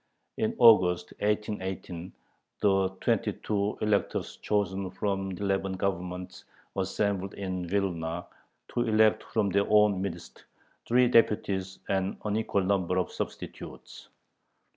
In August, 1818, the twenty two electors chosen from eleven Governments assembled in Vilna to elect from their own midst three deputies and an equal number of substitutes.